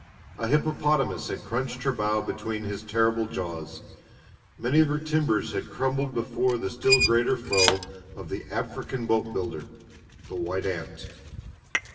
A hippopotamus had crunched her bow between his terrible jaws. Many of her timbers had crumbled before the still greater foe of the African boat builder the white ant.